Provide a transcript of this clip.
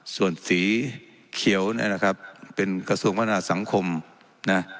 ส่วนสีเขียวเนี่ยนะครับเป็นกระทรวงพัฒนาสังคมนะ